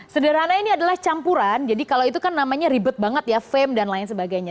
sederhana ini adalah campuran jadi kalau itu kan namanya ribet banget ya fame dan lain sebagainya